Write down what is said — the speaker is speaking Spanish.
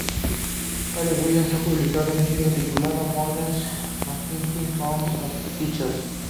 Alele-Williams ha publicado un libro titulado Modern Mathematics Handbook for Teachers.